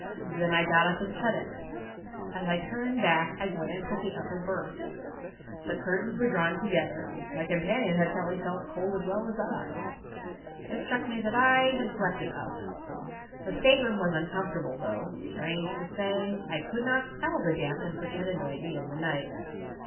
Then I got up and shut it. As I turned back I glanced at the upper berth. The[Pg 23] curtains were drawn close together; my companion had probably felt cold as well as I. It struck me that I had slept enough. The state room was uncomfortable, though, strange to say, I could not smell the dampness which had annoyed me in the night.